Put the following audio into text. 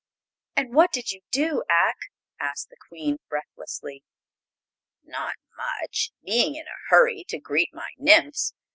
"And what did you do, Ak?" asked the Queen, breathlessly. "Not much, being in a hurry to greet my nymphs.